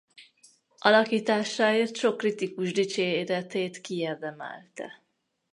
Alakításáért sok kritikus dicséretét kiérdemelte.